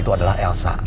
itu adalah elsa